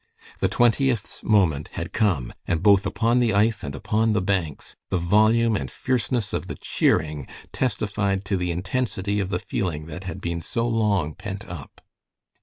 The Twentieth's moment had come, and both upon the ice and upon the banks the volume and fierceness of the cheering testified to the intensity of the feeling that had been so long pent up.